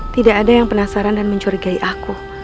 tidak ada yang penasaran dan mencurigai aku